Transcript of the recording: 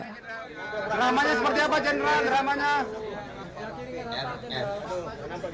dramanya seperti apa jenderal